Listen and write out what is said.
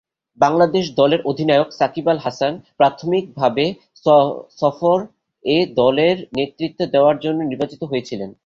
বাংলাদেশ দলের অধিনায়ক, সাকিব আল হাসান, প্রাথমিকভাবে সফরে দলের নেতৃত্ব দেয়ার জন্য নির্বাচিত হয়েছিলেন।